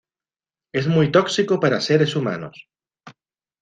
Es muy tóxico para seres humanos.